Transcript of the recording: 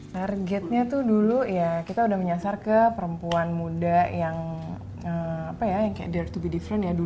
targetnya dulu kita sudah menyasar ke perempuan muda yang dare to be different